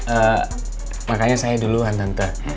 eh makanya saya duluan tante